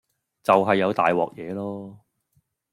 就係有大鑊嘢囉